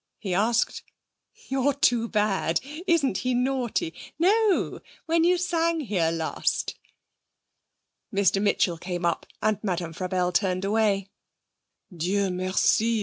he asked. 'You're too bad! Isn't he naughty? No, when you sang here last.' Mr Mitchell came up, and Madame Frabelle turned away. 'Dieu merci!